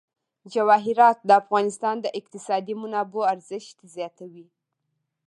جواهرات د افغانستان د اقتصادي منابعو ارزښت زیاتوي.